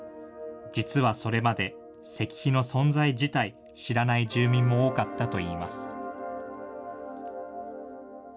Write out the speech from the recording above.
実はそれまで、石碑の存在自体、知らない住民も多かったといいます。